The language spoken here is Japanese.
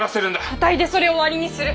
あたいでそれを終わりにする！